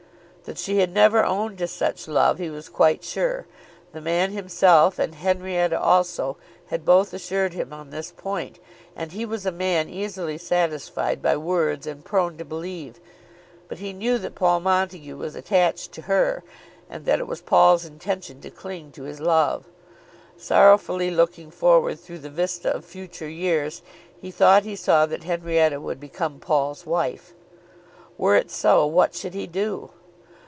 That she had never owned to such love he was quite sure. The man himself and Henrietta also had both assured him on this point, and he was a man easily satisfied by words and prone to believe. But he knew that Paul Montague was attached to her, and that it was Paul's intention to cling to his love. Sorrowfully looking forward through the vista of future years, he thought he saw that Henrietta would become Paul's wife. Were it so, what should he do?